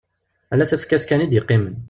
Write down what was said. Ala tafekka-s kan i d-yeqqimen.